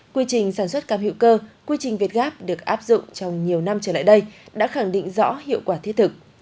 quy trình sản xuất cam hiệu cơ quy trình việt gáp được áp dụng trong nhiều năm trở lại đây đã khẳng định rõ hiệu quả thiết thực